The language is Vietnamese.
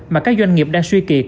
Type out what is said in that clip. mà các doanh nghiệp đang suy kiệt